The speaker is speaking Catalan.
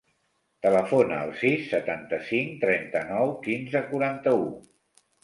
Telefona al sis, setanta-cinc, trenta-nou, quinze, quaranta-u.